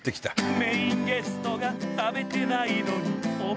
メインゲストが食べてないのに